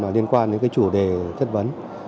liên quan đến cái chủ đề chất vấn